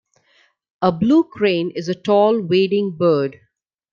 A blue crane is a tall wading bird.